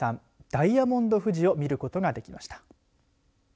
ダイヤモンド富士を見ることができました。